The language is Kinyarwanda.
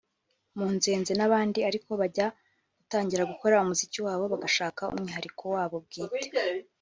Munzeze n’abandi ariko bajya gutangira gukora umuziki wabo bagashaka umwihariko wabo bwite